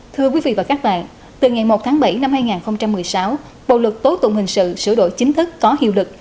thưa quý vị và các bạn từ ngày một tháng bảy năm hai nghìn một mươi sáu bộ luật tố tụng hình sự sửa đổi chính thức có hiệu lực